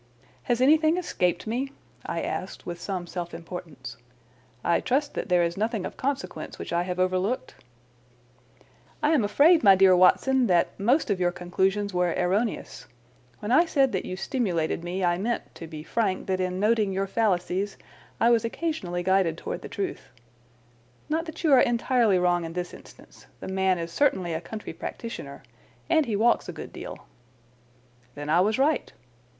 "Has anything escaped me?" I asked with some self importance. "I trust that there is nothing of consequence which I have overlooked?" "I am afraid, my dear Watson, that most of your conclusions were erroneous. When I said that you stimulated me I meant, to be frank, that in noting your fallacies I was occasionally guided towards the truth. Not that you are entirely wrong in this instance. The man is certainly a country practitioner. And he walks a good deal." "Then I was right."